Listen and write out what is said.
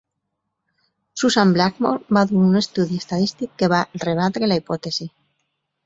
Susan Blackmore va dur un estudi estadístic que va rebatre la hipòtesi.